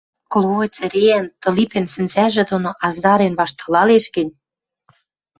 кловой цӹреӓн, тылипӓн сӹнзӓжӹ доно аздарен ваштылалеш гӹнь